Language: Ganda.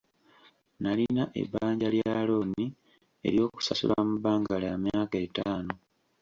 Nalina ebbanja lya looni ery'okusasula mu bbanga lya myaka etaano.